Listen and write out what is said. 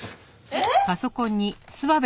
えっ！？